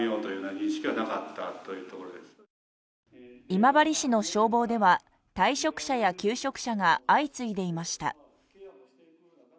今治市の消防では退職者や休職者が相次いでいました。